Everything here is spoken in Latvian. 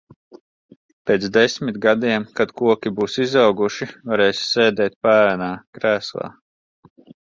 Pēc desmit gadiem kad koki būs izauguši, varēsi sēdēt paēnā, krēslā.